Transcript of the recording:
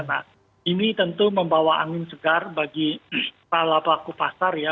nah ini tentu membawa angin segar bagi para pelaku pasar ya